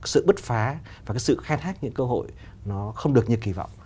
sự bứt phá và cái sự khai thác những cơ hội nó không được như kỳ vọng